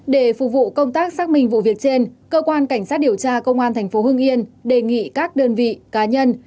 để phục vụ công tác xác minh vụ việc trên cơ quan cảnh sát điều tra công an tp hưng yên đề nghị các đơn vị cá nhân